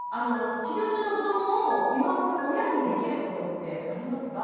治療中のこどもを見守る親にできることってありますか？